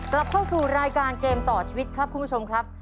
กลับเข้าสู่รายการเกมต่อชีวิตครับคุณผู้ชมครับ